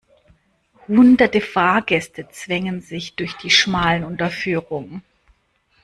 Hunderte Fahrgäste zwängen sich durch die schmale Unterführung.